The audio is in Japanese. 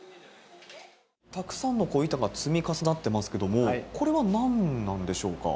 たくさんの板が積み重なってますけれども、これは何なんでしょうか？